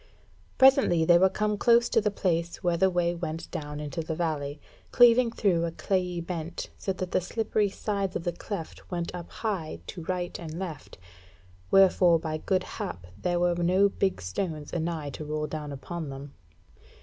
Presently they were come close to the place where the way went down into the valley, cleaving through a clayey bent, so that the slippery sides of the cleft went up high to right and left; wherefore by goodhap there were no big stones anigh to roll down upon them.